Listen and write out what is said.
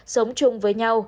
sống chung với nhau